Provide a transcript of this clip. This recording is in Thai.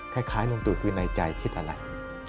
คล้ายลุงตู่คือในใจคิดอะไร